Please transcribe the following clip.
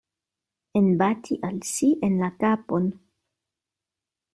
Enbati al si en la kapon.